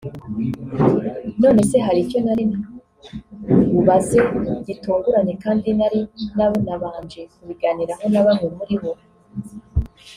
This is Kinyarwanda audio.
None se hari icyo nari bubaze gitunguranye kandi nari nanabanje kubiganiraho na bamwe muribo